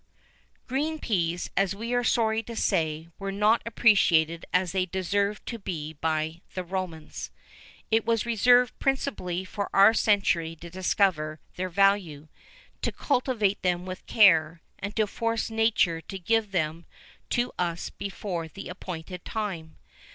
Green peas, we are sorry to say, were not appreciated as they deserved to be by the Romans.[VIII 26] It was reserved principally for our century to discover their value, to cultivate them with care, and to force nature to give them to us before the appointed time.